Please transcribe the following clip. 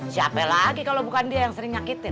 siapa lagi kalau bukan dia yang sering nyakitin